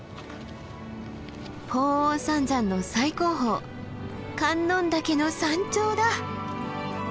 鳳凰三山の最高峰観音岳の山頂だ。